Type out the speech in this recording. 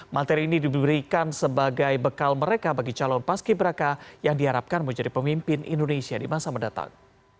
materi ini diberikan sebagai bekal mereka bagi calon paski beraka yang diharapkan menjadi pemimpin indonesia di masa mendatang